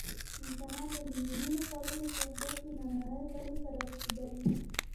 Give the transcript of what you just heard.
انسان د میلیونونو کلونو په اوږدو کې نننۍ بڼې ته رارسېدلی.